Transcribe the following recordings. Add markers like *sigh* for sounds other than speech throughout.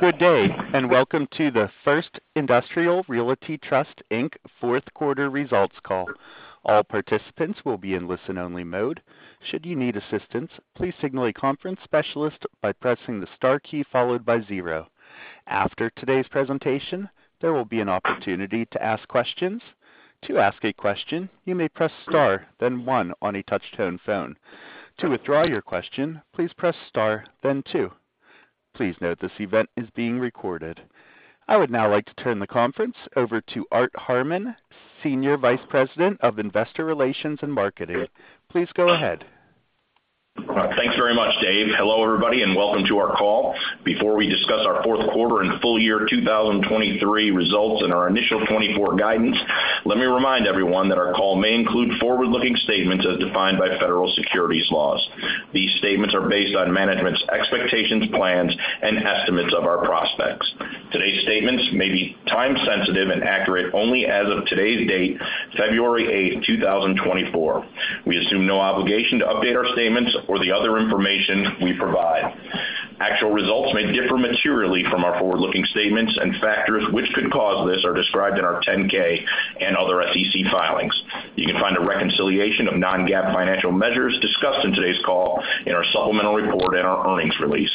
Good day, and welcome to the First Industrial Realty Trust, Inc. fourth quarter results call. All participants will be in listen-only mode. Should you need assistance, please signal a conference specialist by pressing the star key followed by zero. After today's presentation, there will be an opportunity to ask questions. To ask a question, you may press star, then one on a touch-tone phone. To withdraw your question, please press star, then two. Please note this event is being recorded. I would now like to turn the conference over to Art Harmon, Senior Vice President of Investor Relations and Marketing. Please go ahead. Thanks very much, Dave. Hello, everybody, and welcome to our call. Before we discuss our fourth quarter and full year 2023 results and our initial 2024 guidance, let me remind everyone that our call may include forward-looking statements as defined by federal securities laws. These statements are based on management's expectations, plans, and estimates of our prospects. Today's statements may be time-sensitive and accurate only as of today's date, February 8, 2024. We assume no obligation to update our statements or the other information we provide. Actual results may differ materially from our forward-looking statements, and factors which could cause this are described in our 10-K and other SEC filings. You can find a reconciliation of non-GAAP financial measures discussed in today's call in our supplemental report and our earnings release.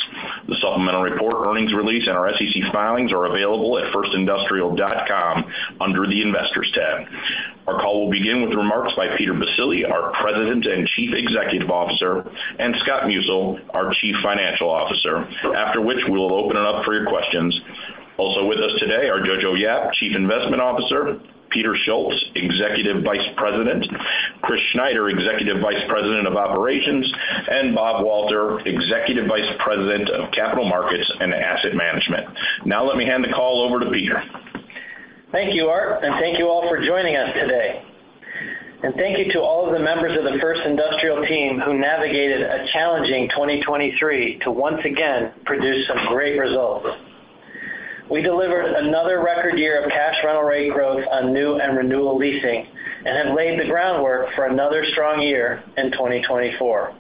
The supplemental report, earnings release, and our SEC filings are available at firstindustrial.com under the Investors tab. Our call will begin with remarks by Peter Baccile, our President and Chief Executive Officer, and Scott Musil, our Chief Financial Officer, after which we will open it up for your questions. Also with us today are Jojo Yap, Chief Investment Officer, Peter Schultz, Executive Vice President, Chris Schneider, Executive Vice President of Operations, and Bob Walter, Executive Vice President of Capital Markets and Asset Management. Now let me hand the call over to Peter. Thank you, Art, and thank you all for joining us today. And thank you to all of the members of the First Industrial team who navigated a challenging 2023 to once again produce some great results. We delivered another record year of cash rental rate growth on new and renewal leasing and have laid the groundwork for another strong year in 2024.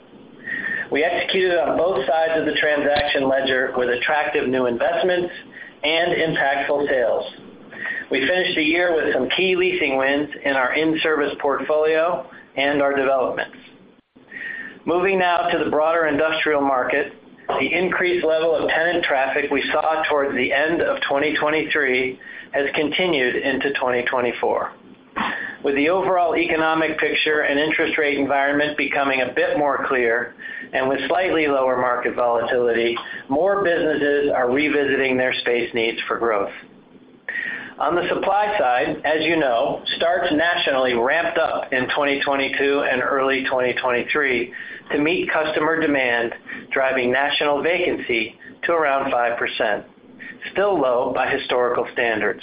We executed on both sides of the transaction ledger with attractive new investments and impactful sales. We finished the year with some key leasing wins in our in-service portfolio and our developments. Moving now to the broader industrial market, the increased level of tenant traffic we saw towards the end of 2023 has continued into 2024. With the overall economic picture and interest rate environment becoming a bit more clear and with slightly lower market volatility, more businesses are revisiting their space needs for growth. On the supply side, as you know, starts nationally ramped up in 2022 and early 2023 to meet customer demand, driving national vacancy to around 5%, still low by historical standards.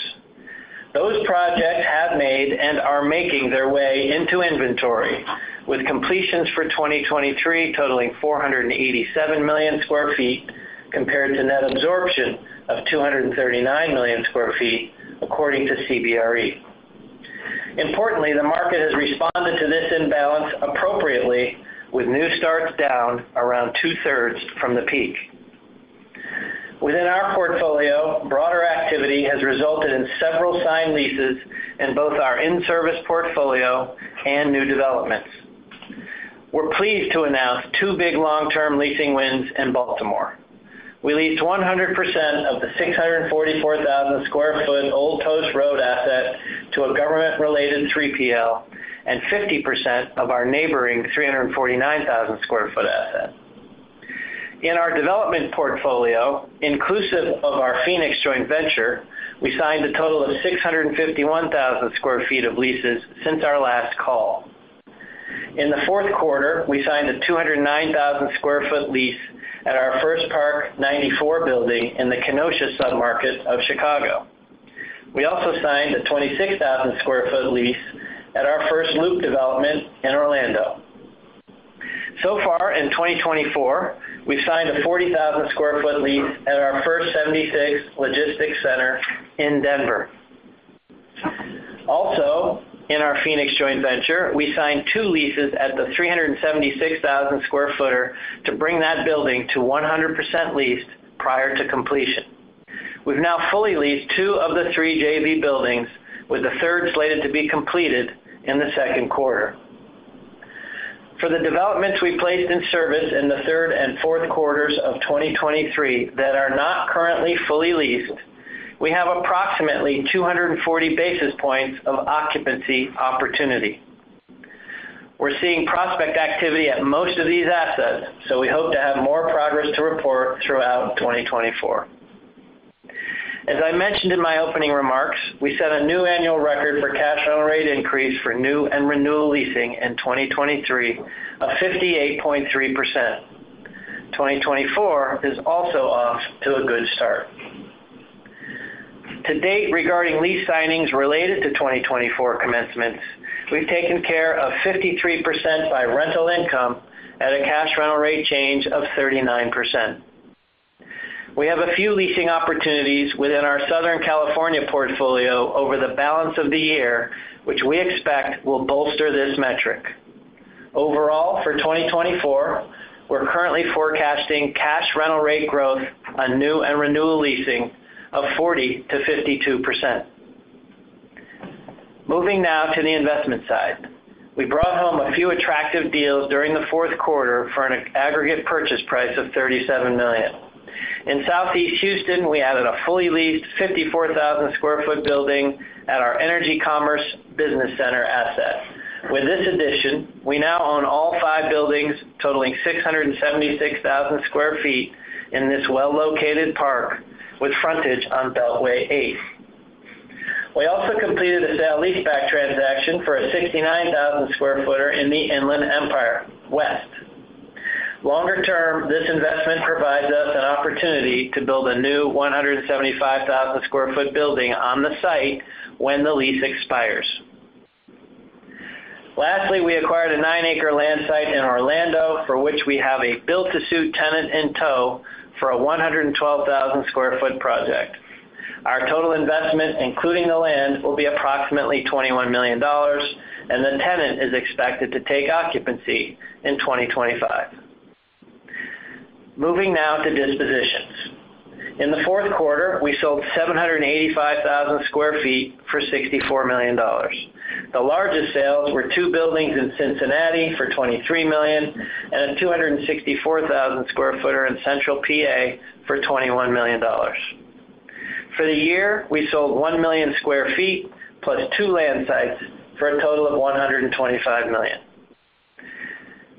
Those projects have made and are making their way into inventory, with completions for 2023 totaling 487 million sq ft, compared to net absorption of 239 million sq ft, according to CBRE. Importantly, the market has responded to this imbalance appropriately, with new starts down around 2/3 from the peak. Within our portfolio, broader activity has resulted in several signed leases in both our in-service portfolio and new developments. We're pleased to announce two big long-term leasing wins in Baltimore. We leased 100% of the 644,000 sq ft Old Post Road asset to a government-related 3PL and 50% of our neighboring 349,000 sq ft asset. In our development portfolio, inclusive of our Phoenix joint venture, we signed a total of 651,000 sq ft of leases since our last call. In the fourth quarter, we signed a 209,000 sq ft lease at our First Park 94 building in the Kenosha submarket of Chicago. We also signed a 26,000 sq ft lease at our First Loop development in Orlando. So far in 2024, we've signed a 40,000 sq ft lease at our First 76 Logistics Center in Denver. Also, in our Phoenix joint venture, we signed two leases at the 376,000-square-footer to bring that building to 100% leased prior to completion. We've now fully leased two of the three JV buildings, with the third slated to be completed in the second quarter. For the developments we placed in service in the third and fourth quarters of 2023 that are not currently fully leased, we have approximately 240 basis points of occupancy opportunity. We're seeing prospect activity at most of these assets, so we hope to have more progress to report throughout 2024. As I mentioned in my opening remarks, we set a new annual record for cash rental rate increase for new and renewal leasing in 2023 of 58.3%. 2024 is also off to a good start. To date, regarding lease signings related to 2024 commencements, we've taken care of 53% by rental income at a cash rental rate change of 39%. We have a few leasing opportunities the balance of the year, which we expect will bolster this metric. Overall, for 2024, we're currently forecasting cash rental rate growth on new and renewal leasing of 40%-52%. Moving now to the investment side. We brought home a few attractive deals during the fourth quarter for an aggregate purchase price of $37 million. In Southeast Houston, we added a fully leased 54,000 sq ft building at our Energy Commerce Business Center asset. With this addition, we now own all five buildings, totaling 676,000 sq ft in this well-located park, with frontage on Beltway 8. We also completed a sale leaseback transaction for a 69,000 sq ft building in the Inland Empire West. Longer term, this investment provides us an opportunity to build a new 175,000 sq ft building on the site when the lease expires. Lastly, we acquired a 9-acre land site in Orlando, for which we have a built-to-suit tenant in tow for a 112,000 sq ft project. Our total investment, including the land, will be approximately $21 million, and the tenant is expected to take occupancy in 2025. Moving now to dispositions. In the fourth quarter, we sold 785,000 sq ft for $64 million. The largest sales were two buildings in Cincinnati for $23 million and a 264,000 sq ft building in Central PA for $21 million. For the year, we sold 1 million sq ft, plus two land sites, for a total of $125 million.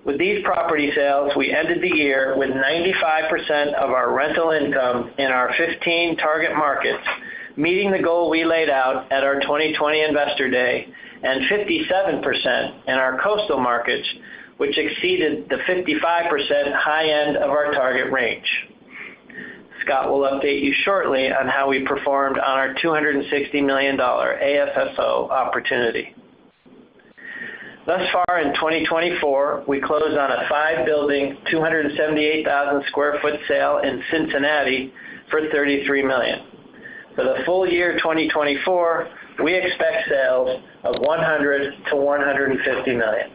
With these property sales, we ended the year with 95% of our rental income in our 15 target markets, meeting the goal we laid out at our 2020 Investor Day, and 57% in our coastal markets, which exceeded the 55% high end of our target range. Scott will update you shortly on how we performed on our $260 million AFFO opportunity. Thus far in 2024, we closed on a five-building, 278,000 sq ft sale in Cincinnati for $33 million. For the full year 2024, we expect sales of $100 million-$150 million.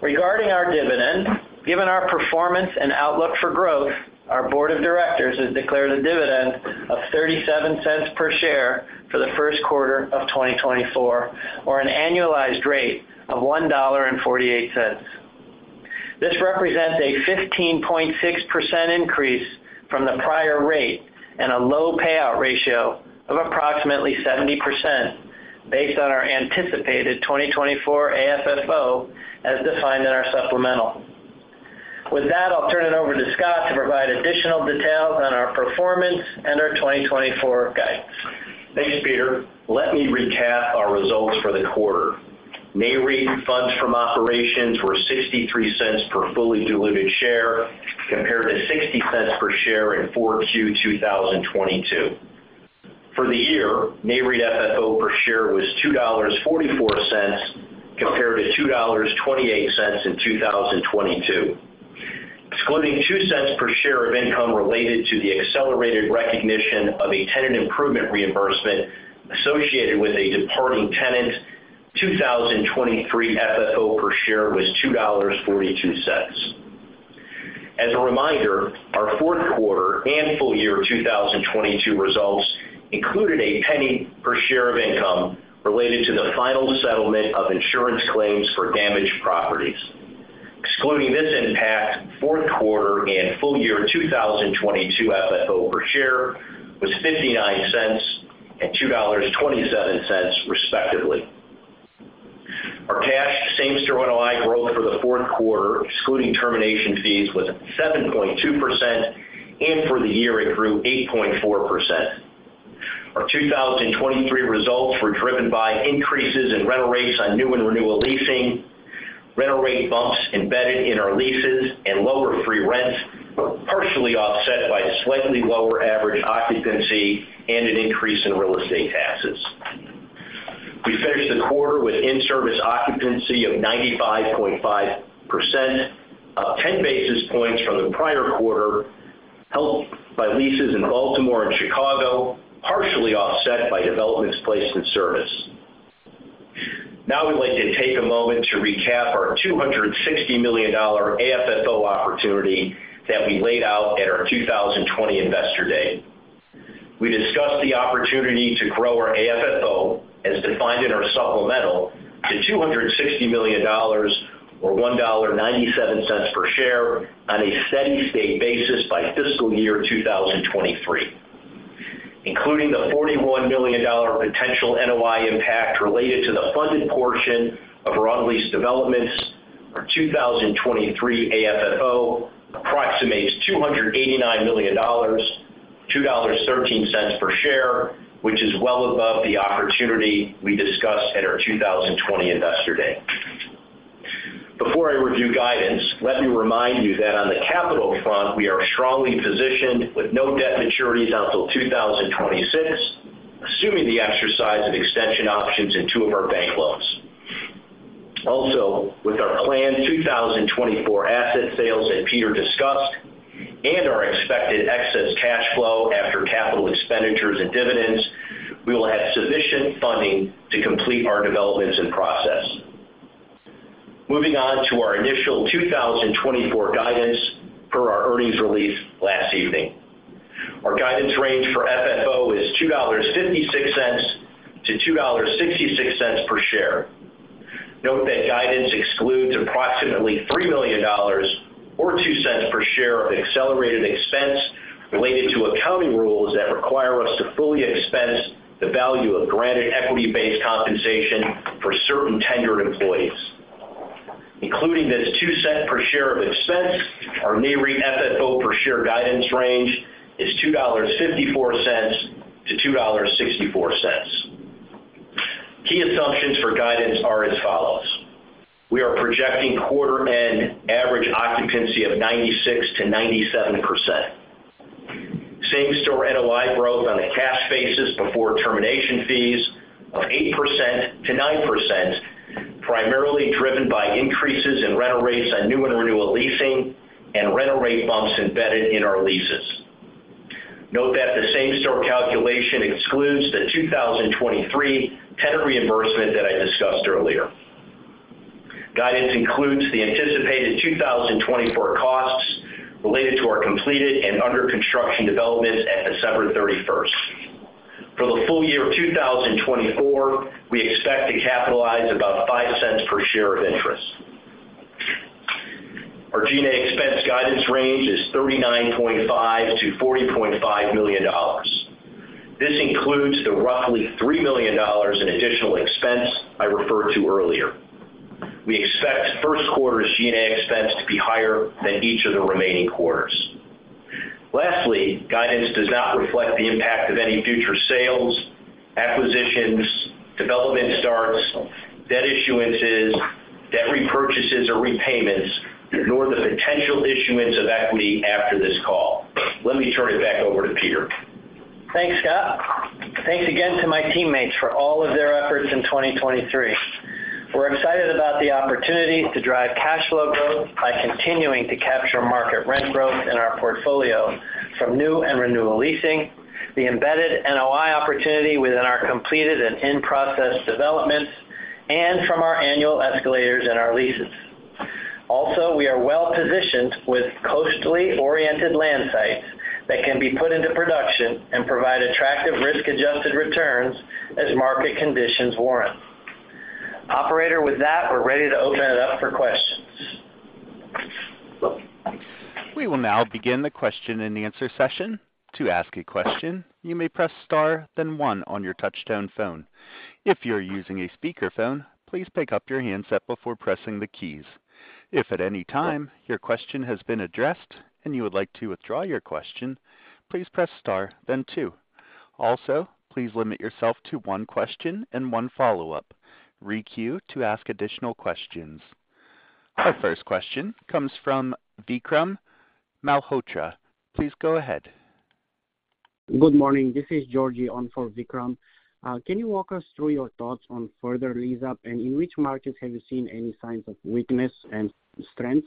Regarding our dividend, given our performance and outlook for growth, our board of directors has declared a dividend of $0.37 per share for the first quarter of 2024, or an annualized rate of $1.48. This represents a 15.6% increase from the prior rate and a low payout ratio of approximately 70%, based on our anticipated 2024 AFFO, as defined in our supplemental. With that, I'll turn it over to Scott to provide additional details on our performance and our 2024 guidance. Thanks, Peter. Let me recap our results for the quarter. NAREIT funds from operations were $0.63 per fully diluted share, compared to $0.60 per share in 4Q 2022. For the year, NAREIT FFO per share was $2.44, compared to $2.28 in 2022. Excluding $0.02 per share of income related to the accelerated recognition of a tenant improvement reimbursement associated with a departing tenant, 2023 FFO per share was $2.42. As a reminder, our fourth quarter and full-year 2022 results included $0.01 per share of income related to the final settlement of insurance claims for damaged properties. Excluding this impact, fourth quarter and full-year 2022 FFO per share was $0.59 and $2.27, respectively. Our cash same-store NOI growth for the fourth quarter, excluding termination fees, was 7.2%, and for the year, it grew 8.4%. Our 2023 results were driven by increases in rental rates on new and renewal leasing, rental rate bumps embedded in our leases, and lower free rents were partially offset by slightly lower average occupancy and an increase in real estate taxes. We finished the quarter with in-service occupancy of 95.5%, up 10 basis points from the prior quarter, helped by leases in Baltimore and Chicago, partially offset by developments placed in service. Now, I would like to take a moment to recap our $260 million AFFO opportunity that we laid out at our 2020 Investor Day. We discussed the opportunity to grow our AFFO, as defined in our supplemental, to $260 million, or $1.97 per share on a steady-state basis by fiscal year 2023. Including the $41 million potential NOI impact related to the funded portion of our unleased developments, our 2023 AFFO approximates $289 million, $2.13 per share, which is well above the opportunity we discussed at our 2020 Investor Day. Before I review guidance, let me remind you that on the capital front, we are strongly positioned with no debt maturities until 2026, assuming the exercise of extension options in two of our bank loans.... Also, with our planned 2024 asset sales that Peter discussed and our expected excess cash flow after capital expenditures and dividends, we will have sufficient funding to complete our developments in process. Moving on to our initial 2024 guidance per our earnings release last evening. Our guidance range for FFO is $2.56-$2.66 per share. Note that guidance excludes approximately $3 million or $0.02 per share of accelerated expense related to accounting rules that require us to fully expense the value of granted equity-based compensation for certain tenured employees. Including this $0.02 per share of expense, our NAREIT FFO per share guidance range is $2.54-$2.64. Key assumptions for guidance are as follows: We are projecting quarter-end average occupancy of 96%-97%. Same-store NOI growth on a cash basis before termination fees of 8%-9%, primarily driven by increases in rental rates on new and renewal leasing and rental rate bumps embedded in our leases. Note that the same-store calculation excludes the 2023 tenant reimbursement that I discussed earlier. Guidance includes the anticipated 2024 costs related to our completed and under construction developments at December 31st. For the full year of 2024, we expect to capitalize about $0.05 per share of interest. Our G&A expense guidance range is $39.5 million-$40.5 million. This includes the roughly $3 million in additional expense I referred to earlier. We expect first quarter's G&A expense to be higher than each of the remaining quarters. Lastly, guidance does not reflect the impact of any future sales, acquisitions, development starts, debt issuances, debt repurchases or repayments, nor the potential issuance of equity after this call. Let me turn it back over to Peter. Thanks, Scott. Thanks again to my teammates for all of their efforts in 2023. We're excited about the opportunity to drive cash flow growth by continuing to capture market rent growth in our portfolio from new and renewal leasing, the embedded NOI opportunity within our completed and in-process developments, and from our annual escalators in our leases. Also, we are well positioned with coastally oriented land sites that can be put into production and provide attractive risk-adjusted returns as market conditions warrant. Operator, with that, we're ready to open it up for questions. We will now begin the question-and-answer session. To ask a question, you may press star then one on your touchtone phone. If you're using a speakerphone, please pick up your handset before pressing the keys. If at any time your question has been addressed and you would like to withdraw your question, please press star then two. Also, please limit yourself to one question and one follow-up. Requeue to ask additional questions. Our first question comes from Vikram Malhotra. Please go ahead. Good morning, this is Georgi on for Vikram. Can you walk us through your thoughts on further lease-up? In which markets have you seen any signs of weakness and strength?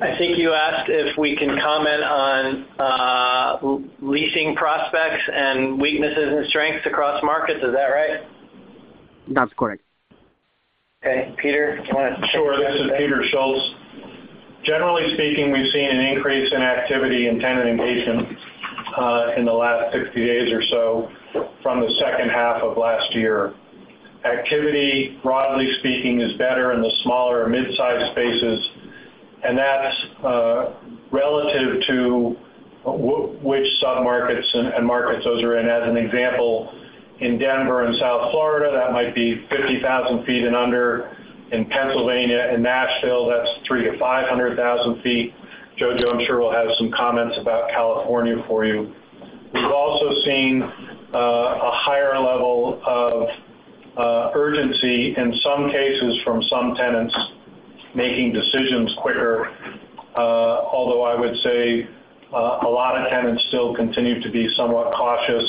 I think you asked if we can comment on, leasing prospects and weaknesses and strengths across markets. Is that right? That's correct. Okay, Peter, *crosstalk* do you want to- Sure. This is Peter Schultz. Generally speaking, we've seen an increase in activity in tenant engagement in the last 60 days or so from the second half of last year. Activity, broadly speaking, is better in the smaller mid-sized spaces, and that's relative to which submarkets and markets those are in. As an example, in Denver and South Florida, that might be 50,000 sq ft and under. In Pennsylvania and Nashville, that's 300,000 sq ft-500,000 sq ft. Jojo, I'm sure, will have some comments about California for you. We've also seen a higher level of urgency in some cases from some tenants making decisions quicker. Although I would say a lot of tenants still continue to be somewhat cautious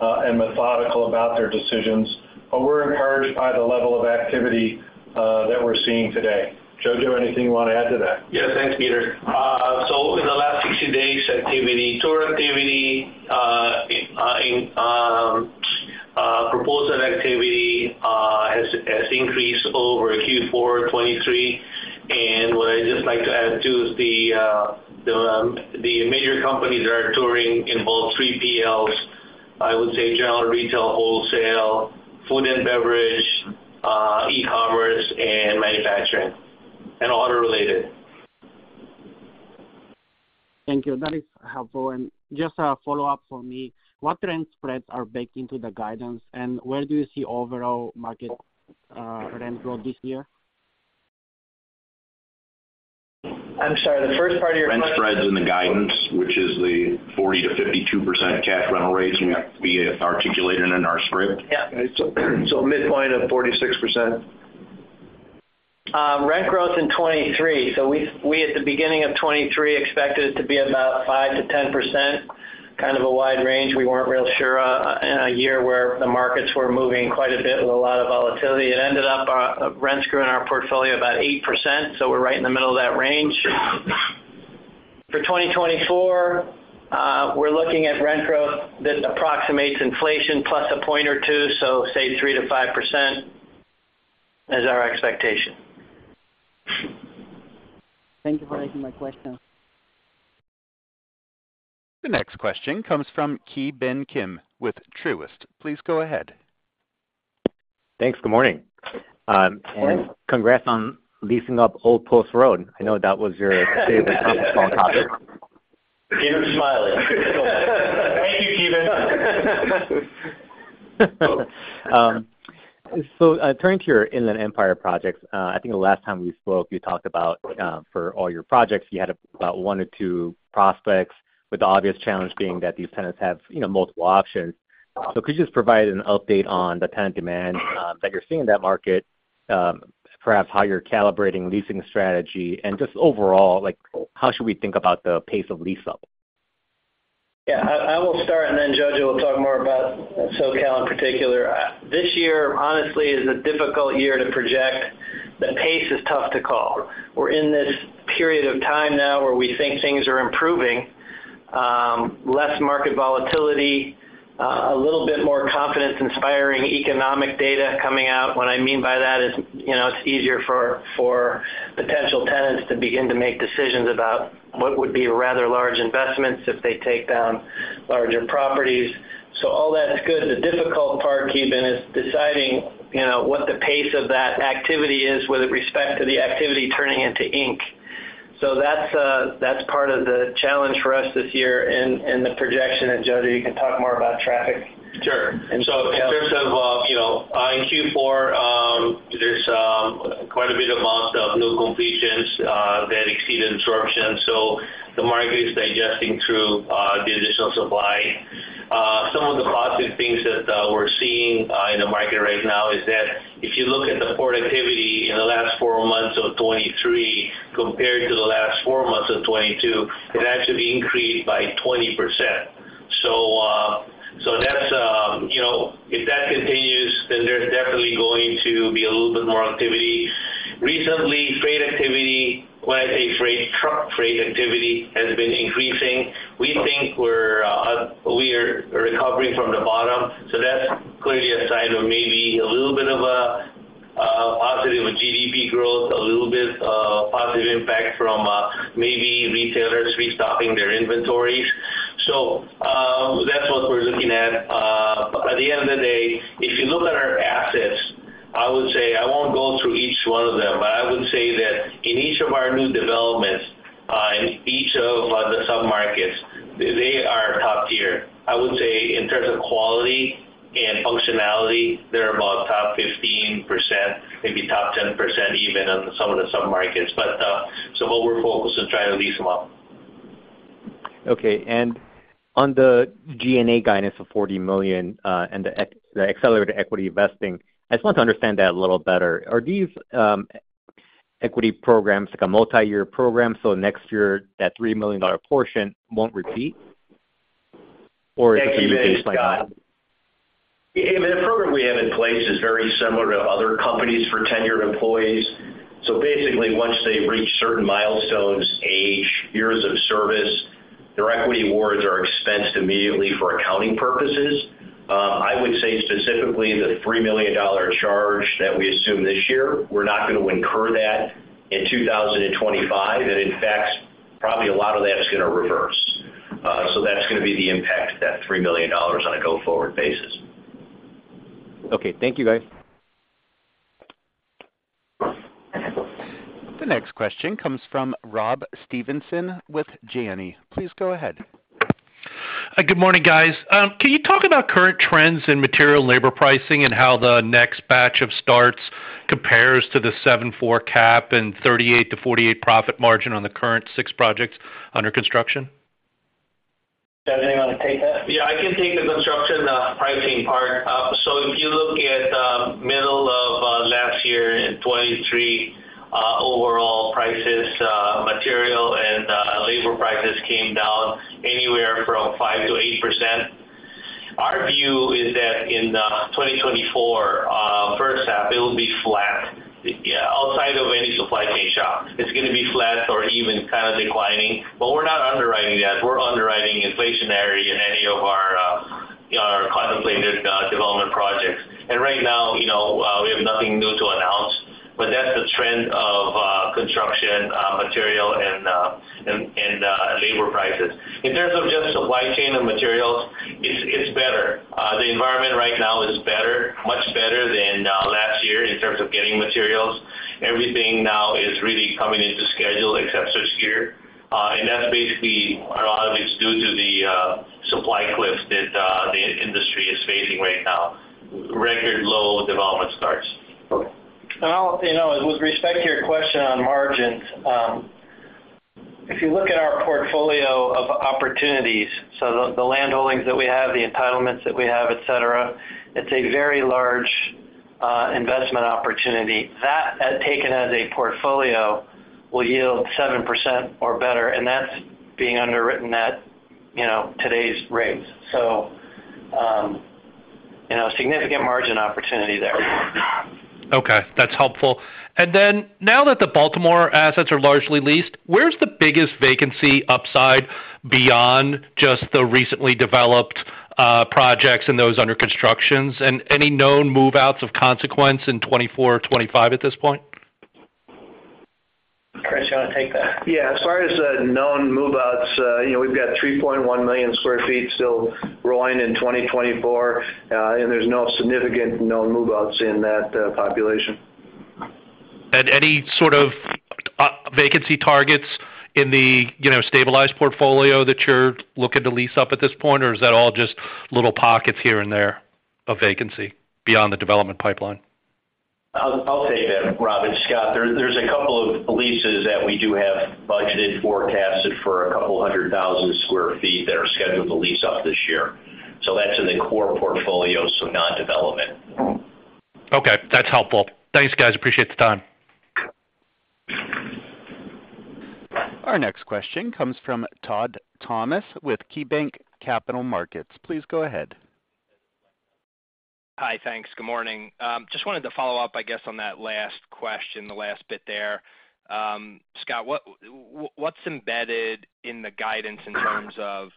and methodical about their decisions. But we're encouraged by the level of activity that we're seeing today. Jojo, anything you want to add to that? Yes, thanks, Peter. Over the last 60 days, activity, tour activity, in proposal activity, has increased over Q4 2023. What I'd just like to add, too, is the major companies that are touring in both 3PLs, I would say general retail, wholesale, food and beverage, e-commerce, and manufacturing, and auto-related. Thank you. That is helpful. Just a follow-up for me, what rent spreads are baked into the guidance, and where do you see overall market rent growth this year? I'm sorry, *crosstalk* the first part of your question- Rent spreads in the guidance, which is the 40%-52% cash rental rates we articulated in our script. Yeah. Midpoint of 46%.... rent growth in 2023. So we, we, at the beginning of 2023, expected it to be about 5%-10%, kind of a wide range. We weren't real sure, in a year where the markets were moving quite a bit with a lot of volatility. It ended up, rents grew in our portfolio about 8%, so we're right in the middle of that range. For 2024, we're looking at rent growth that approximates inflation plus a point or two, so say 3%-5% is our expectation. Thank you for answering my question. The next question comes from Ki Bin Kim with Truist. Please go ahead. Thanks. Good morning. Congrats on leasing up Old Post Road. I know that was your favorite small topic. Get him smiling. Thank you, Ki Bin. So, turning to your Inland Empire projects, I think the last time we spoke, you talked about, for all your projects, you had about one or two prospects, with the obvious challenge being that these tenants have, you know, multiple options. So could you just provide an update on the tenant demand that you're seeing in that market, perhaps how you're calibrating leasing strategy? And just overall, like, how should we think about the pace of lease-up? Yeah, I will start, and then Jojo will talk more about SoCal in particular. This year, honestly, is a difficult year to project. The pace is tough to call. We're in this period of time now where we think things are improving, less market volatility, a little bit more confidence-inspiring economic data coming out. What I mean by that is, you know, it's easier for potential tenants to begin to make decisions about what would be rather large investments if they take down larger properties. So all that is good. The difficult part, Ki Bin, is deciding, you know, what the pace of that activity is with respect to the activity turning into ink. So that's part of the challenge for us this year and the projection. And, Jojo, you can talk more about traffic. Sure. And so in terms of, you know, in Q4, there's quite a bit amount of new completions that exceed absorption, so the market is digesting through the additional supply. Some of the positive things that we're seeing in the market right now is that if you look at the port activity in the last four months of 2023 compared to the last four months of 2022, it actually increased by 20%. So, so that's, you know, if that continues, then there's definitely going to be a little bit more activity. Recently, truck freight activity has been increasing. We think we're, we are recovering from the bottom, so that's clearly a sign of maybe a little bit of a, positive on GDP growth, a little bit of positive impact from, maybe retailers restocking their inventories. So, that's what we're looking at. At the end of the day, if you look at our assets, I would say I won't go through each one of them, but I would say that in each of our new developments, in each of the submarkets, they are top tier. I would say in terms of quality and functionality, they're about top 15%, maybe top 10%, even on some of the submarkets. But, so what we're focused on, trying to lease them out. Okay. And on the G&A guidance of $40 million, and the accelerated equity vesting, I just want to understand that a little better. Are these equity programs, like a multi-year program, so next year, that $3 million portion won't repeat? Or is it year based? Hey, the program we have in place is very similar to other companies for tenured employees. So basically, once they reach certain milestones, age, years of service, their equity awards are expensed immediately for accounting purposes. I would say specifically, the $3 million charge that we assume this year, we're not going to incur that in 2025. And in fact, probably a lot of that is going to reverse. So that's going to be the impact of that $3 million on a go-forward basis. Okay. Thank you, guys. The next question comes from Rob Stevenson with Janney. Please go ahead. Good morning, guys. Can you talk about current trends in material labor pricing and how the next batch of starts compares to the 7.4 cap and 38%-48% profit margin on the current 6 projects under construction? Does anyone want to take that? Yeah, I can take the construction pricing part. So if you look at the middle of last year in 2023, overall prices, material and labor prices came down anywhere from 5%-8%. Our view is that in 2024 first half, it will be flat. Yeah, outside of any supply chain shock, it's going to be flat or even kind of declining. But we're not underwriting that. We're underwriting inflationary in any of our contemplated development projects. And right now, you know, we have nothing new to announce, but that's the trend of construction material and labor prices. In terms of just supply chain and materials, it's better. The environment right now is better, much better than last year in terms of getting materials. Everything now is really coming into schedule, except this year. And that's basically, a lot of it's due to the supply cliff that the industry is facing right now. Record low development starts. Okay. Now, you know, with respect to your question on margins, if you look at our portfolio of opportunities, the land holdings that we have, the entitlements that we have, et cetera, it's a very large investment opportunity. That, taken as a portfolio, will yield 7% or better, and that's being underwritten at, you know, today's rates. So, you know, significant margin opportunity there. Okay, that's helpful. And then now that the Baltimore assets are largely leased, where's the biggest vacancy upside beyond just the recently developed projects and those under construction? And any known move-outs of consequence in 2024 or 2025 at this point? Chris, you want to take that? Yeah. As far as known move-outs, you know, we've got 3.1 million sq ft still rolling in 2024, and there's no significant known move-outs in that population. Any sort of vacancy targets in the, you know, stabilized portfolio that you're looking to lease up at this point, or is that all just little pockets here and there of vacancy beyond the development pipeline? I'll take that, Robin. Scott, there's a couple of leases that we do have budgeted, forecasted for a couple hundred thousand sq ft that are scheduled to lease up this year. So that's in the core portfolio, so non-development. Okay, that's helpful. Thanks, guys. Appreciate the time. Our next question comes from Todd Thomas with KeyBanc Capital Markets. Please go ahead. Hi, thanks. Good morning. Just wanted to follow up, I guess, on that last question, the last bit there. Scott, what's embedded in the guidance in terms of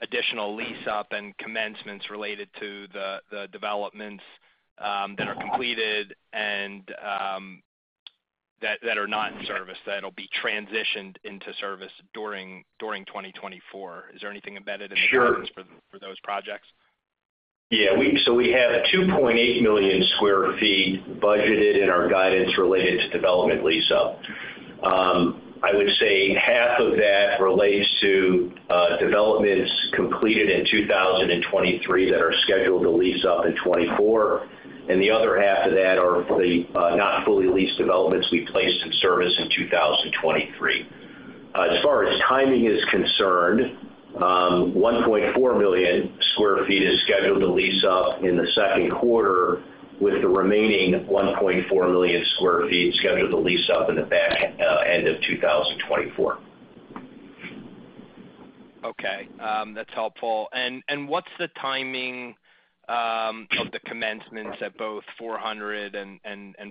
additional lease-up and commencements related to the developments that are completed and that are not in service, that'll be transitioned into service during 2024? Is there anything embedded in the- Sure... guidance for those projects? Yeah, so we have 2.8 million sq ft budgeted in our guidance related to development lease-up. I would say half of that relates to developments completed in 2023 that are scheduled to lease up in 2024, and the other half of that are the not fully leased developments we placed in service in 2023. As far as timing is concerned, 1.4 million sq ft is scheduled to lease up in the second quarter, with the remaining 1.4 million sq ft scheduled to lease up in the back end of 2024. Okay, that's helpful. And what's the timing of the commencements at both 400 and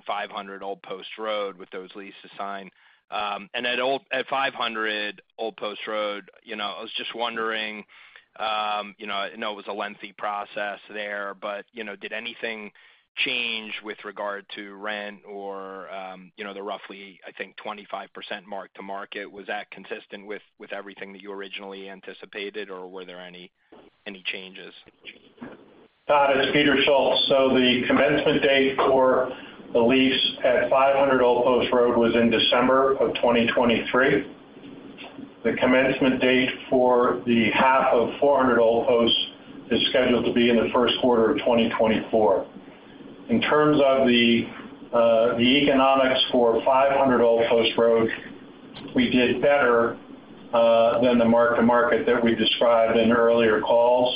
500 Old Post Road with those leases signed? And at 500 Old Post Road, you know, I was just wondering, you know, I know it was a lengthy process there, but, you know, did anything change with regard to rent or, you know, the roughly, I think, 25% mark-to-market? Was that consistent with everything that you originally anticipated, or were there any changes? It's Peter Schultz. So the commencement date for the lease at 500 Old Post Road was in December 2023. The commencement date for the half of 400 Old Post Road is scheduled to be in the first quarter of 2024. In terms of the, the economics for 500 Old Post Road, we did better than the mark-to-market that we described in earlier calls.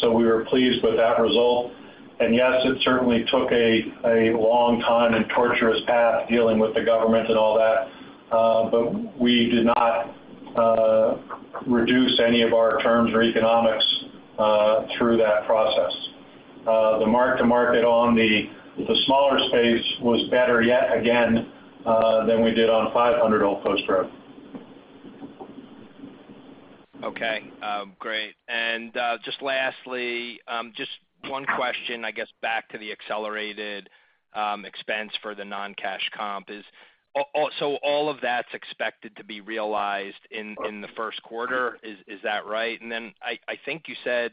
So we were pleased with that result. And yes, it certainly took a, a long time and torturous path dealing with the government and all that, but we did not reduce any of our terms or economics through that process. The mark-to-market on the, the smaller space was better yet again than we did on 500 Old Post Road. Okay, great. And just lastly, just one question, I guess, back to the accelerated expense for the non-cash comp is, so all of that's expected to be realized in the first quarter? Is that right? And then I think you said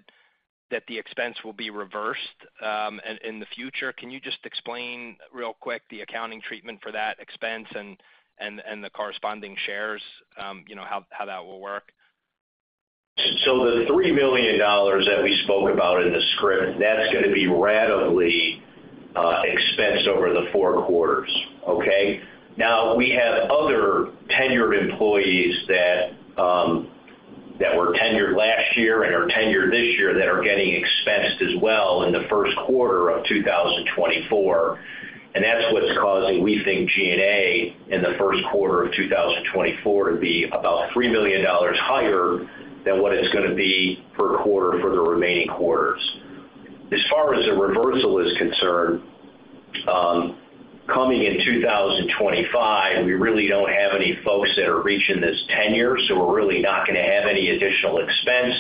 that the expense will be reversed in the future. Can you just explain real quick the accounting treatment for that expense and the corresponding shares, you know, how that will work? So the $3 million that we spoke about in the script, that's gonna be ratably expensed over the four quarters, okay? Now, we have other tenured employees that that were tenured last year and are tenured this year, that are getting expensed as well in the first quarter of 2024. And that's what's causing, we think, G&A in the first quarter of 2024 to be about $3 million higher than what it's gonna be per quarter for the remaining quarters. As far as the reversal is concerned, coming in 2025, we really don't have any folks that are reaching this tenure, so we're really not gonna have any additional expense.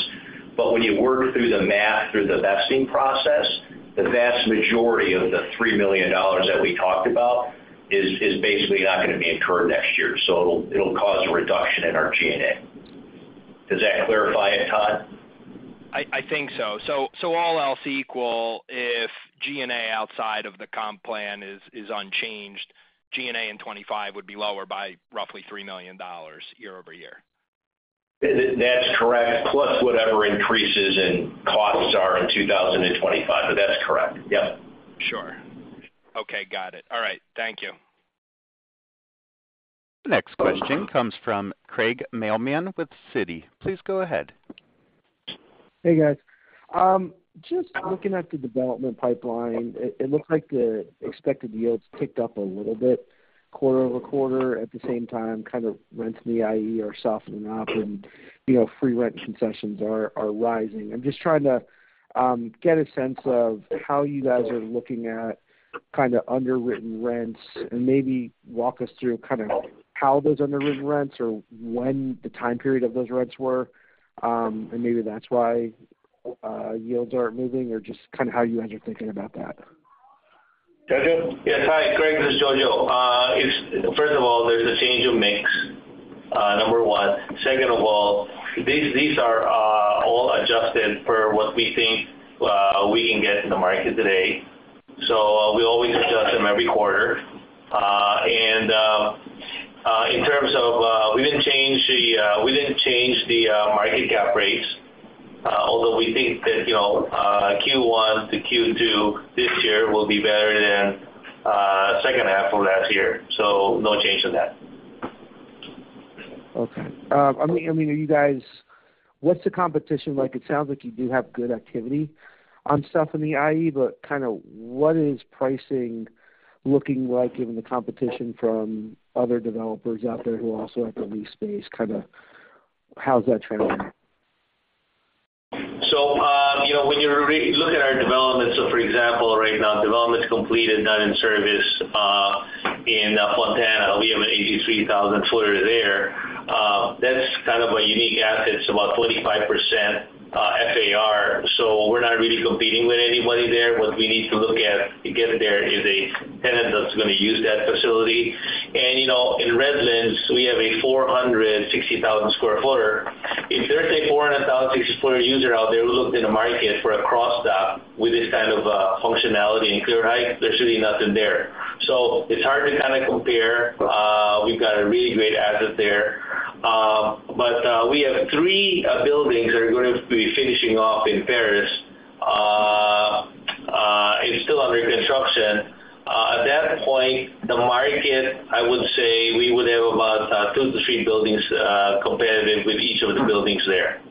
But when you work through the math, through the vesting process, the vast majority of the $3 million that we talked about is, is basically not gonna be incurred next year, so it'll, it'll cause a reduction in our G&A. Does that clarify it, Todd? I think so. All else equal, if G&A outside of the comp plan is unchanged, G&A in 25 would be lower by roughly $3 million year-over-year. That's correct, plus whatever increases in costs are in 2025. But that's correct. Yep. Sure. Okay, got it. All right. Thank you. The next question comes from Craig Mailman with Citi. Please go ahead. Hey, guys. Just looking at the development pipeline, it looks like the expected yields ticked up a little bit quarter-over-quarter. At the same time, kind of rents in the IE are softening up, and, you know, free rent concessions are rising. I'm just trying to get a sense of how you guys are looking at kinda underwritten rents, and maybe walk us through kind of how those underwritten rents or when the time period of those rents were, and maybe that's why yields aren't moving, or just kinda how you guys are thinking about that. Yes. Yes, hi, Craig, this is Jojo. It's first of all, there's a change of mix, number one. Second of all, these are all adjusted for what we think we can get in the market today. So, we always adjust them every quarter. And in terms of, we didn't change the market cap rates, although we think that, you know, Q1 to Q2 this year will be better than second half of last year, so no change to that. Okay. I mean, are you guys, what's the competition like? It sounds like you do have good activity on stuff in the IE, but kinda what is pricing looking like given the competition from other developers out there who also have the lease space? Kinda, how's that trending? So, you know, when you're looking at our development, so for example, right now, development's completed, done in service, in Fontana. We have an 83,000 footer there. That's kind of a unique asset. It's about 25%, FAR, so we're not really competing with anybody there. What we need to look at to get there is a tenant that's gonna use that facility. And, you know, in Redlands, we have a 460,000 square footer. If there's a 460,000 footer user out there, looking in the market for a cross dock with this kind of functionality in Clear Heights, there's really nothing there. So it's hard to kinda compare. We've got a really great asset there. We have three buildings that are going to be finishing off in Perris. It's still under construction. At that point, the market, I would say, we would have about 2-3 buildings competitive with each of the buildings there.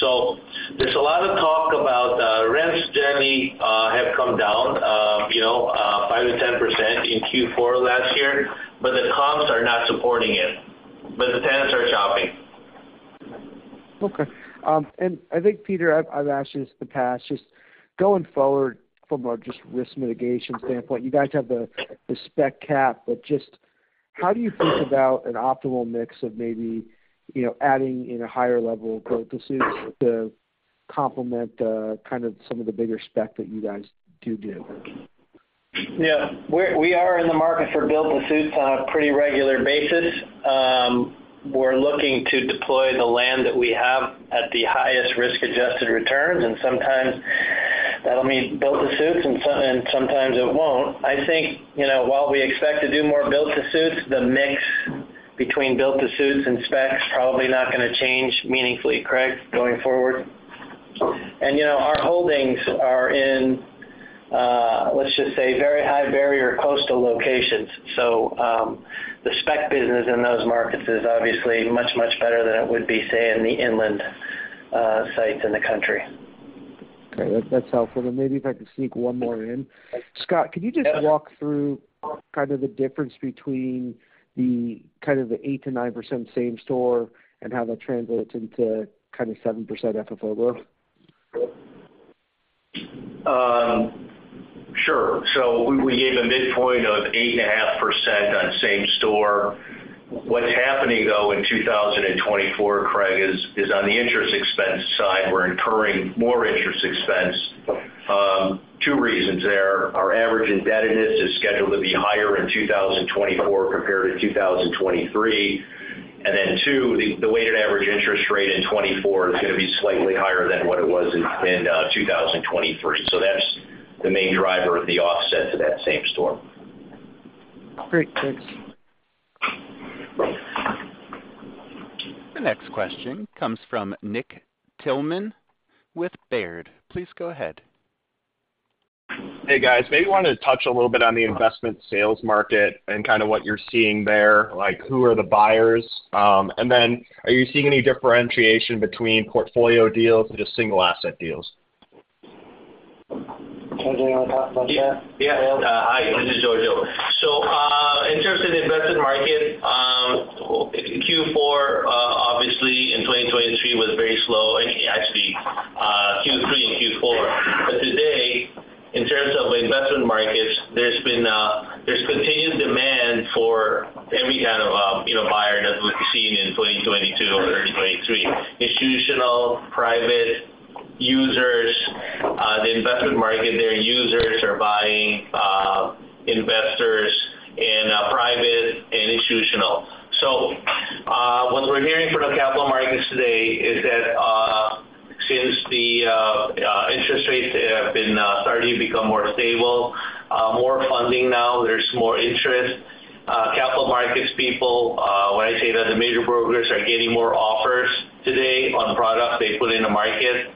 So there's a lot of talk about rents generally have come down, you know, 5%-10% in Q4 last year, but the comps are not supporting it, but the tenants are shopping. Okay. And I think, Peter, I've asked you this in the past, just going forward from a just risk mitigation standpoint, you guys have the spec cap, but just how do you think about an optimal mix of maybe, you know, adding in a higher level of build-to-suits to complement kind of some of the bigger spec that you guys do? Yeah. We are in the market for build-to-suits on a pretty regular basis. We're looking to deploy the land that we have at the highest risk-adjusted returns, and sometimes that'll mean build-to-suits, and sometimes it won't. I think, you know, while we expect to do more build-to-suits, the mix between build-to-suits and specs is probably not gonna change meaningfully, Craig, going forward. And, you know, our holdings are in, let's just say, very high-barrier coastal locations. So, the spec business in those markets is obviously much, much better than it would be, say, in the inland sites in the country. Okay, that, that's helpful. Maybe if I could sneak one more in. Scott, could you just walk through kind of the difference between the kind of the 8%-9% same-store and how that translates into kind of 7% FFO growth? Sure. So we gave a midpoint of 8.5% on same store. What's happening, though, in 2024, Craig, is on the interest expense side, we're incurring more interest expense. Two reasons there. Our average indebtedness is scheduled to be higher in 2024 compared to 2023. And then two, the weighted average interest rate in 2024 is gonna be slightly higher than what it was in 2023. So that's the main driver of the offset to that same store. Great. Thanks. The next question comes from Nick Thillman with Baird. Please go ahead. Hey, guys. Maybe you want to touch a little bit on the investment sales market and kind of what you're seeing there, like, who are the buyers? And then are you seeing any differentiation between portfolio deals and just single-asset deals? Anything you wanna talk about that? Yeah. Hi, this is Jojo. So, in terms of the investment market, Q4, obviously in 2023 was very slow, and actually, Q3 and Q4. But today, in terms of investment markets, there's continued demand for every kind of, you know, buyer that we've seen in 2022 or 2023. Institutional, private users, the investment market, their users are buying, investors in, private and institutional. So, what we're hearing from the capital markets today is that, since the interest rates have been starting to become more stable, more funding now, there's more interest. Capital markets people, the major brokers are getting more offers today on the product they put in the market,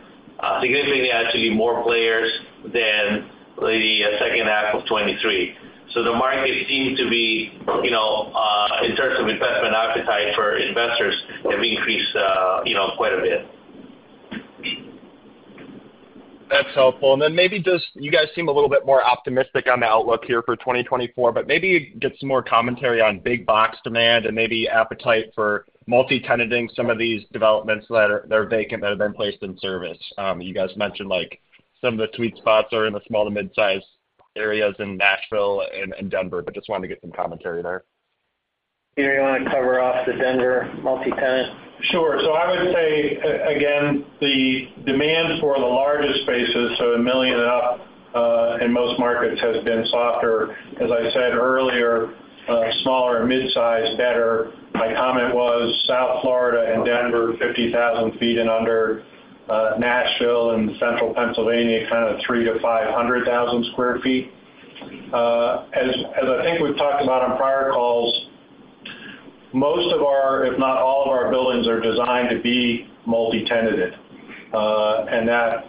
significantly, actually, more players than the second half of 2023. So the market seems to be, you know, in terms of investment appetite for investors, have increased, you know, quite a bit. That's helpful. And then maybe just—you guys seem a little bit more optimistic on the outlook here for 2024, but maybe get some more commentary on big box demand and maybe appetite for multi-tenanting some of these developments that are, that are vacant, that have been placed in service. You guys mentioned, like, some of the sweet spots are in the small to mid-size areas in Nashville and Denver, but just wanted to get some commentary there. Peter, you want to cover off the Denver multi-tenant? Sure. So I would say, again, the demand for the largest spaces, so 1 million and up, in most markets, has been softer. As I said earlier, smaller and mid-size, better. My comment was South Florida and Denver, 50,000 sq ft and under, Nashville and Central Pennsylvania, kind of 300,000 sq ft-500,000 sq ft. As I think we've talked about on prior calls, most of our, if not all of our buildings, are designed to be multi-tenanted. And that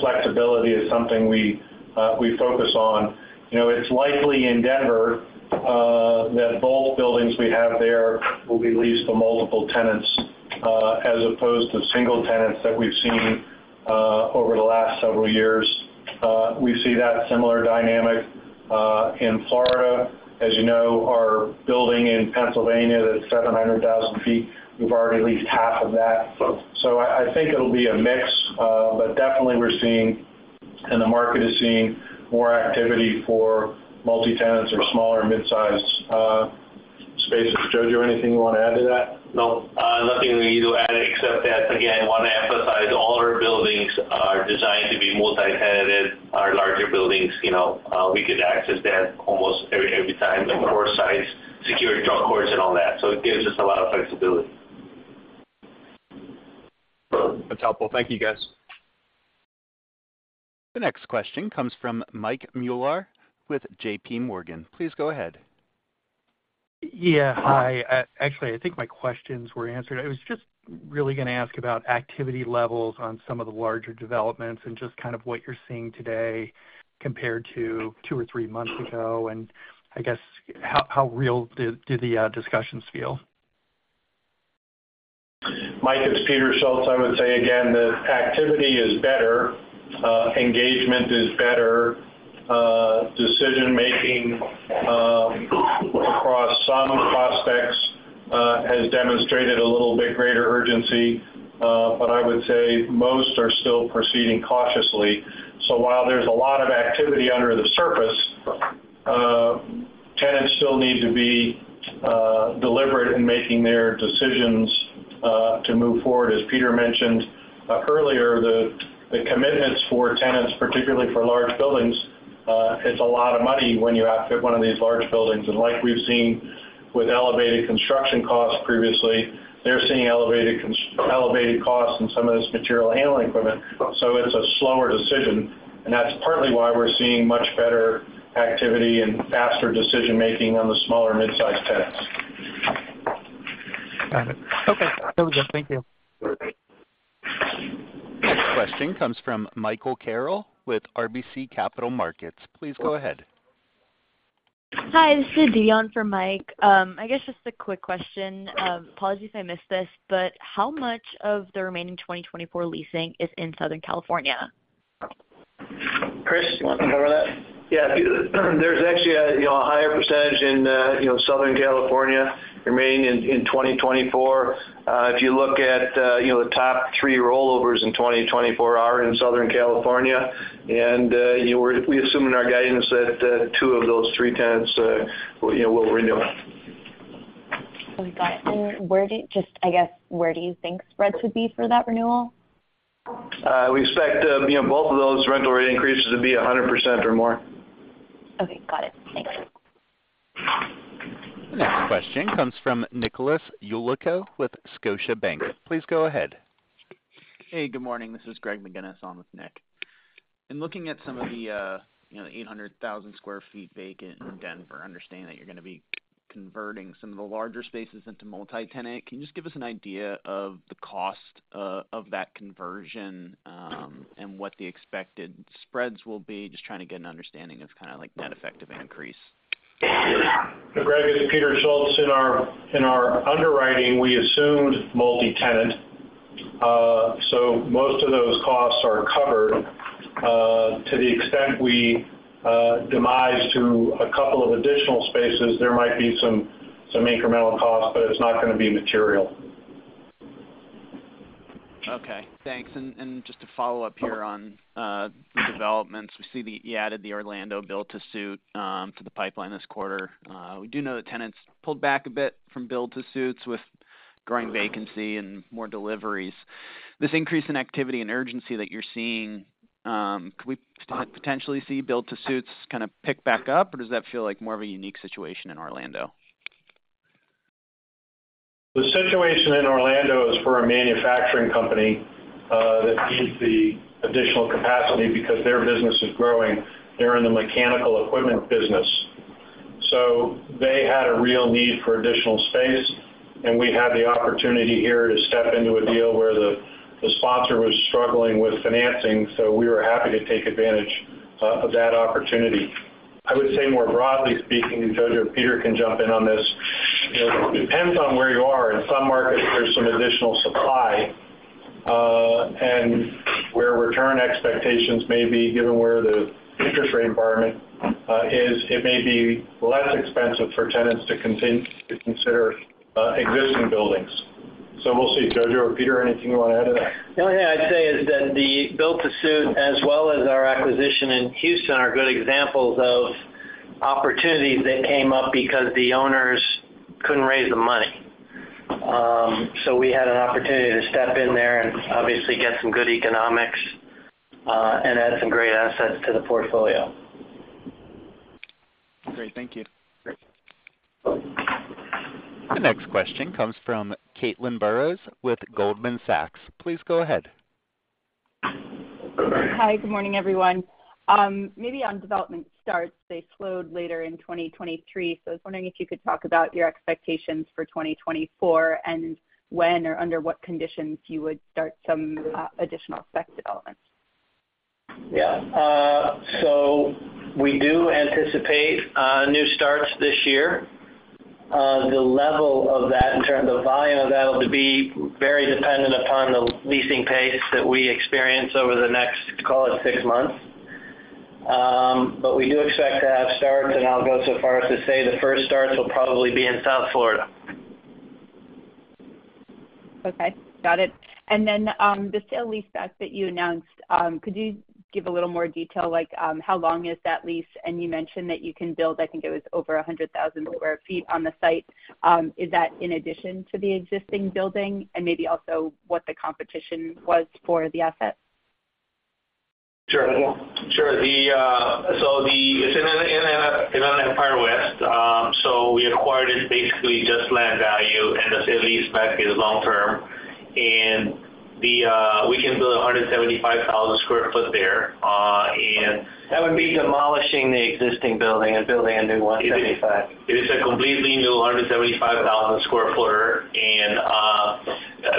flexibility is something we focus on. You know, it's likely in Denver that both buildings we have there will be leased to multiple tenants, as opposed to single tenants that we've seen over the last several years. We see that similar dynamic in Florida. As you know, our building in Pennsylvania, that's 700,000 sq ft, we've already leased half of that. So I think it'll be a mix, but definitely we're seeing, and the market is seeing more activity for multi-tenants or smaller mid-sized spaces. Jojo, anything you want to add to that? No, nothing we need to add, except that, again, I want to emphasize all our buildings are designed to be multi-tenanted. Our larger buildings, you know, we could access that almost every, every time, like door sites, secure truck courts and all that. So it gives us a lot of flexibility. That's helpful. Thank you, guys. The next question comes from Mike Mueller with JPMorgan. Please go ahead. Yeah, hi. Actually, I think my questions were answered. I was just really gonna ask about activity levels on some of the larger developments and just kind of what you're seeing today compared to two or three months ago, and I guess how real do the discussions feel? Mike, it's Peter Schultz. I would say again, that activity is better, engagement is better, decision making across some prospects has demonstrated a little bit greater urgency, but I would say most are still proceeding cautiously. So while there's a lot of activity under the surface, tenants still need to be deliberate in making their decisions to move forward. As Peter mentioned earlier, the commitments for tenants, particularly for large buildings, it's a lot of money when you outfit one of these large buildings. And like we've seen with elevated construction costs previously, they're seeing elevated costs in some of this material handling equipment. So it's a slower decision, and that's partly why we're seeing much better activity and faster decision-making on the smaller mid-sized tenants. Got it. Okay, that was it. Thank you. Next question comes from Michael Carroll with RBC Capital Markets. Please go ahead. Hi, this is Dionne for Mike. I guess just a quick question. Apologies if I missed this, but how much of the remaining 2024 leasing is in Southern California? Chris, you want to cover that? Yeah, there's actually a, you know, a higher percentage in, you know, Southern California remaining in 2024. If you look at, you know, the top three rollovers in 2024 are in Southern California, and, you know, we assume in our guidance that two of those three tenants, you know, will renew. Okay, got it. And just, I guess, where do you think spreads would be for that renewal? We expect, you know, both of those rental rate increases to be 100% or more. Okay, got it. Thanks. The next question comes from Nicholas Yulico with Scotiabank. Please go ahead. Hey, good morning. This is Greg McGinnis on with Nick. In looking at some of the, you know, 800,000 sq ft vacant in Denver, I understand that you're gonna be converting some of the larger spaces into multi-tenant. Can you just give us an idea of the cost of that conversion, and what the expected spreads will be? Just trying to get an understanding of kind of, like, net effective increase. Greg, it's Peter Schultz. In our underwriting, we assumed multi-tenant, so most of those costs are covered. To the extent we demise to a couple of additional spaces, there might be some incremental costs, but it's not gonna be material. Okay, thanks. And just to follow up here on the developments, we see that you added the Orlando build-to-suit to the pipeline this quarter. We do know that tenants pulled back a bit from build-to-suits with growing vacancy and more deliveries. This increase in activity and urgency that you're seeing, could we potentially see build-to-suits kind of pick back up, or does that feel like more of a unique situation in Orlando? The situation in Orlando for a manufacturing company, that needs the additional capacity because their business is growing. They're in the mechanical equipment business. So they had a real need for additional space, and we had the opportunity here to step into a deal where the, the sponsor was struggling with financing, so we were happy to take advantage, of that opportunity. I would say more broadly speaking, and Jojo, Peter can jump in on this, you know, it depends on where you are. In some markets, there's some additional supply, and where return expectations may be, given where the interest rate environment, is, it may be less expensive for tenants to continue to consider, existing buildings. So we'll see. Jojo or Peter, anything you want to add to that? The only thing I'd say is that the build-to-suit, as well as our acquisition in Houston, are good examples of opportunities that came up because the owners couldn't raise the money. So we had an opportunity to step in there and obviously get some good economics, and add some great assets to the portfolio. Great. Thank you. Great. The next question comes from Caitlin Burrows with Goldman Sachs. Please go ahead. Hi, good morning, everyone. Maybe on development starts, they slowed later in 2023. So I was wondering if you could talk about your expectations for 2024, and when or under what conditions you would start some additional spec developments. Yeah. So we do anticipate new starts this year. The level of that, in terms of volume of that, will be very dependent upon the leasing pace that we experience over the next, call it, six months. But we do expect to have starts, and I'll go so far as to say the first starts will probably be in South Florida. Okay, got it. And then, the sale-leaseback that you announced, could you give a little more detail, like, how long is that lease? And you mentioned that you can build, I think it was over 100,000 sq ft on the site. Is that in addition to the existing building, and maybe also what the competition was for the asset? Sure. Sure. So the, it's in Inland Empire West. So we acquired it basically just land value, and the sale leaseback is long term. And the, we can build 175,000 sq ft there, and- That would be demolishing the existing building and building a new one, 75. It is a completely new 175,000-square-footer.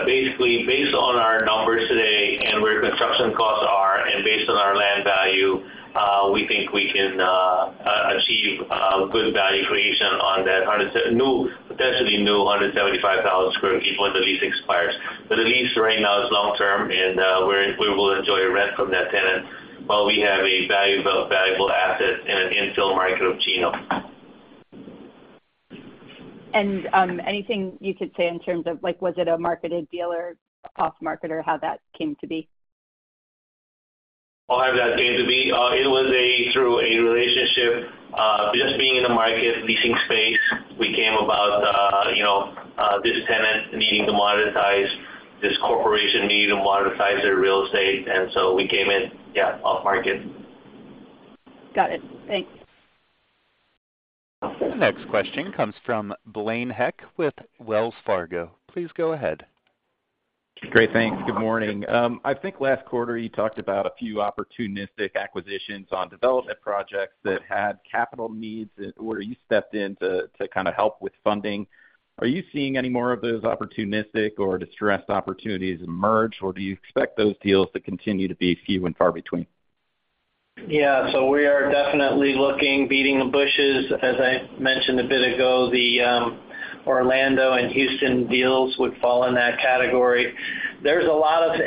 Basically, based on our numbers today and where construction costs are and based on our land value, we think we can achieve good value creation on that new, potentially new 175,000 sq ft when the lease expires. But the lease right now is long term, and we will enjoy rent from that tenant while we have a valuable, valuable asset in an infill market in Chino. Anything you could say in terms of, like, was it a marketed deal or off-market, or how that came to be? Oh, how that came to be? It was through a relationship, just being in the market, leasing space. We came about, you know, this tenant needing to monetize, this corporation needing to monetize their real estate, and so we came in, yeah, off-market. Got it. Thanks. The next question comes from Blaine Heck with Wells Fargo. Please go ahead. Great. Thanks. Good morning. I think last quarter, you talked about a few opportunistic acquisitions on development projects that had capital needs where you stepped in to kind of help with funding. Are you seeing any more of those opportunistic or distressed opportunities emerge, or do you expect those deals to continue to be few and far between? Yeah. So we are definitely looking, beating the bushes. As I mentioned a bit ago, the Orlando and Houston deals would fall in that category. There's a lot of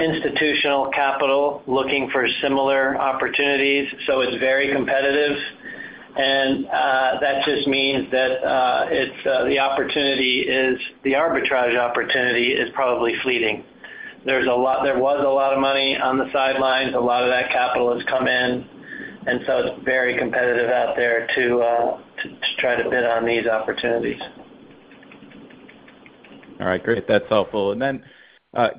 institutional capital looking for similar opportunities, so it's very competitive. And that just means that it's the arbitrage opportunity is probably fleeting. There was a lot of money on the sidelines. A lot of that capital has come in, and so it's very competitive out there to try to bid on these opportunities. All right, great. That's helpful. And then,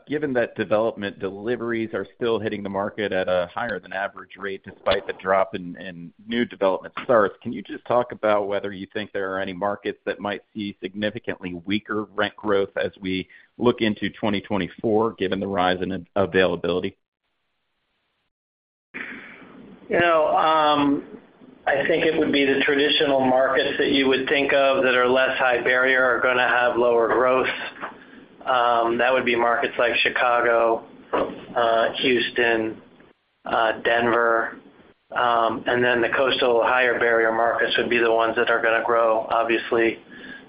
given that development deliveries are still hitting the market at a higher than average rate despite the drop in new development starts, can you just talk about whether you think there are any markets that might see significantly weaker rent growth as we look into 2024, given the rise in availability? You know, I think it would be the traditional markets that you would think of that are less high barrier, are gonna have lower growth. That would be markets like Chicago, Houston, Denver, and then the coastal higher barrier markets would be the ones that are gonna grow, obviously,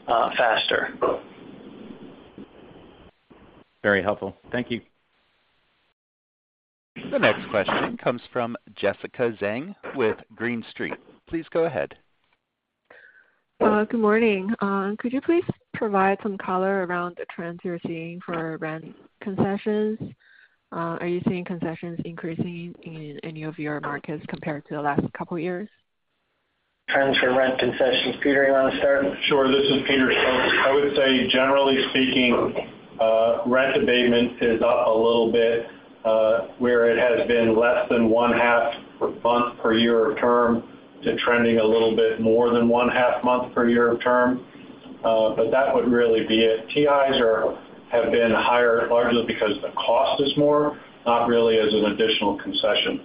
faster. Very helpful. Thank you. The next question comes from Jessica Zheng with Green Street. Please go ahead. Good morning. Could you please provide some color around the trends you're seeing for rent concessions? Are you seeing concessions increasing in any of your markets compared to the last couple of years? Trends for rent concessions. Peter, you want to start? Sure. This is Peter Schultz. I would say, generally speaking, rent abatement is up a little bit, where has been less than ½ per month per year of term to trending a little bit more than ½ month per year of term. But that would really be it. TIs are, have been higher largely because the cost is more, not really as an additional concession.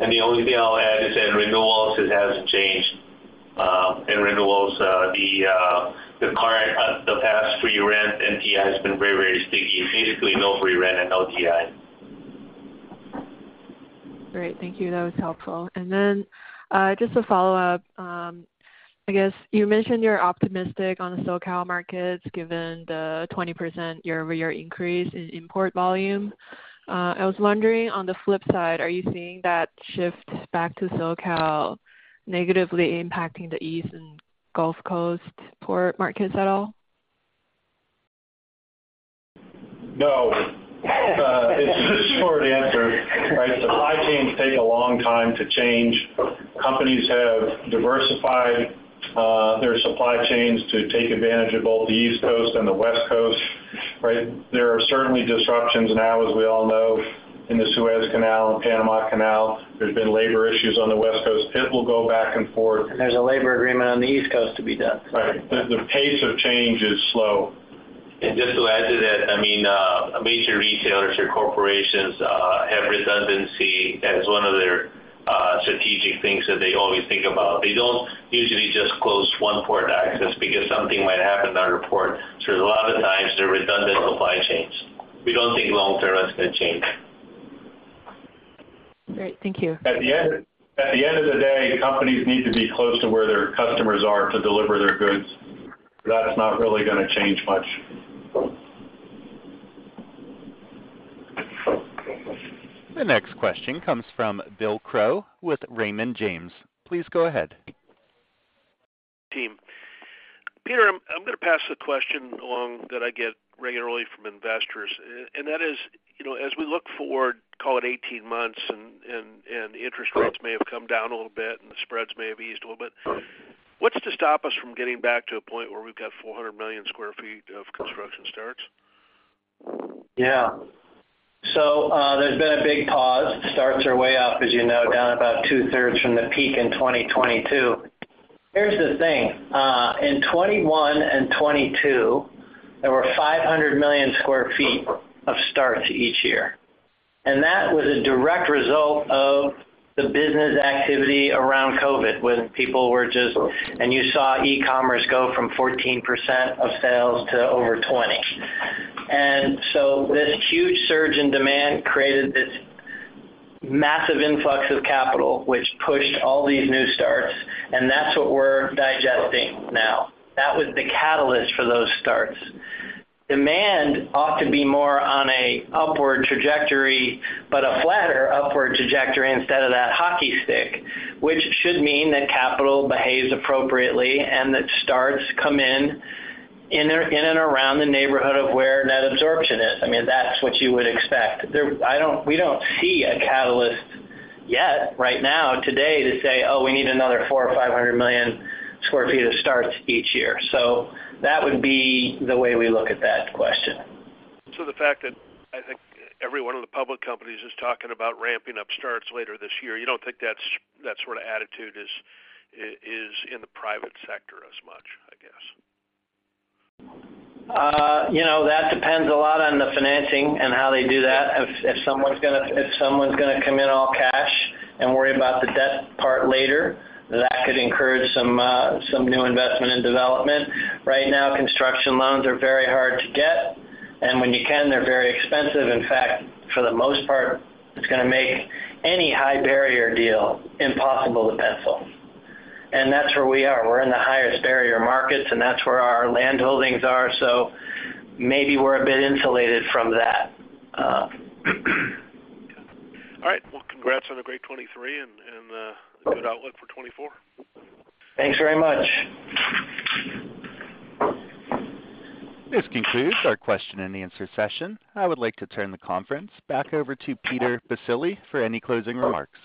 The only thing I'll add is in renewals, it hasn't changed. In renewals, the past free rent and TI has been very, very sticky. Basically, no free rent and no TI. Great, thank you. That was helpful. And then, just a follow-up. I guess you mentioned you're optimistic on the SoCal markets, given the 20% year-over-year increase in import volume. I was wondering, on the flip side, are you seeing that shift back to SoCal negatively impacting the East and Gulf Coast port markets at all? No. It's a short answer, right? Supply chains take a long time to change. Companies have diversified their supply chains to take advantage of both the East Coast and the West Coast, right? There are certainly disruptions now, as we all know, in the Suez Canal and Panama Canal. There's been labor issues on the West Coast. It will go back and forth. There's a labor agreement on the East Coast to be done. Right. The pace of change is slow. And just to add to that, I mean, major retailers or corporations have redundancy as one of their strategic things that they always think about. They don't usually just close one port access because something might happen to another port. So a lot of times, they're redundant supply chains. We don't think long-term that's gonna change. Great, thank you. At the end, at the end of the day, companies need to be close to where their customers are to deliver their goods. That's not really gonna change much. The next question comes from Bill Crow with Raymond James. Please go ahead. Team. Peter, I'm gonna pass the question along that I get regularly from investors. And that is, you know, as we look forward, call it 18 months, and interest rates may have come down a little bit and the spreads may have eased a little bit, what's to stop us from getting back to a point where we've got 400 million sq ft of construction starts? Yeah. So, there's been a big pause. Starts are way up, as you know, down about 2/3 from the peak in 2022. Here's the thing. In 2021 and 2022, there were 500 million sq ft of starts each year, and that was a direct result of the business activity around COVID, when people were just, and you saw e-commerce go from 14% of sales to over 20%. And so this huge surge in demand created this massive influx of capital, which pushed all these new starts, and that's what we're digesting now. That was the catalyst for those starts. Demand ought to be more on an upward trajectory, but a flatter upward trajectory instead of that hockey stick, which should mean that capital behaves appropriately, and that starts come in, in and around the neighborhood of where that absorption is. I mean, that's what you would expect. We don't see a catalyst yet, right now, today, to say, "Oh, we need another 400 million sq ft or 500 million sq ft of starts each year." So that would be the way we look at that question. The fact that I think every one of the public companies is talking about ramping up starts later this year, you don't think that's, that sort of attitude is in the private sector as much, I guess? You know, that depends a lot on the financing and how they do that. If, if someone's gonna, if someone's gonna come in all cash and worry about the debt part later, that could encourage some, some new investment and development. Right now, construction loans are very hard to get, and when you can, they're very expensive. In fact, for the most part, it's gonna make any high barrier deal impossible to pencil. That's where we are. We're in the highest barrier markets, and that's where our land holdings are, so maybe we're a bit insulated from that. All right. Well, congrats on a great 2023 and good outlook for 2024. Thanks very much. This concludes our question-and-answer session. I would like to turn the conference back over to Peter Baccile for any closing remarks.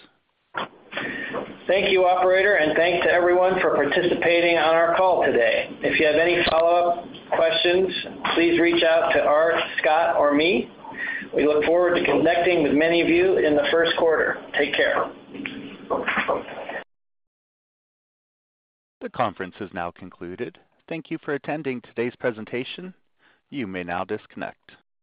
Thank you, operator, and thanks to everyone for participating on our call today. If you have any follow-up questions, please reach out to Art, Scott, or me. We look forward to connecting with many of you in the first quarter. Take care. The conference is now concluded. Thank you for attending today's presentation. You may now disconnect.